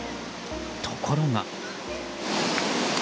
ところが。